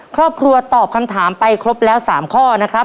ครอบครัวตอบคำถามไปครบแล้ว๓ข้อนะครับ